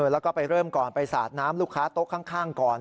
แล้วก็ไปเริ่มก่อนไปสาดน้ำลูกค้าโต๊ะข้างก่อน